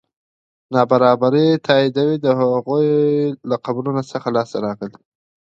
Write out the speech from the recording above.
نابرابري تاییدوي د هغوی له قبرونو څخه لاسته راغلي.